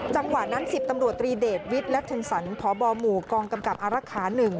จังหวะนั้น๑๐ตำรวจตรีเดชวิทย์และทันสันพบหมู่กองกำกับอารักษา๑